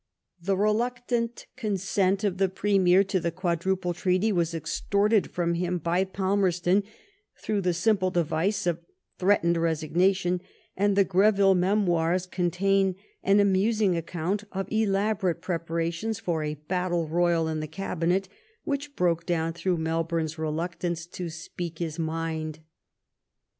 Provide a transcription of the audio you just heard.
The reluctant consent of the Premier to the Quadruple Treaty was extorted from him by Palmerston through the simple device of threatened resignation, and the Greville Memoirs contain an amusing account of elabo rate preparations for a battle royal in the Cabinet which broke down through Melbourne's reluctance to speak his mind.